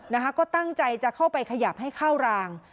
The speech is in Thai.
นะคะก็ตั้งใจจะเข้าไปขยับให้เข้าราง